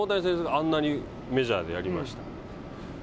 大谷選手が、あんなにメジャーでやりました。